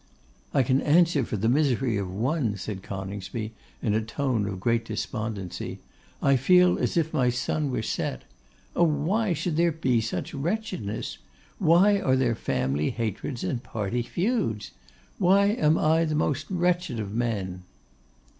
'I can answer for the misery of one,' said Coningsby, in a tone of great despondency. 'I feel as if my sun were set. Oh! why should there be such wretchedness? Why are there family hatreds and party feuds? Why am I the most wretched of men?